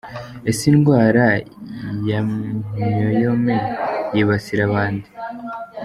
Ese indwara ya Myome yibasira bande?.